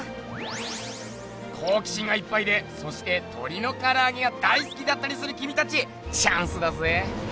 こうき心がいっぱいでそしてとりのからあげが大すきだったりするきみたちチャンスだぜ！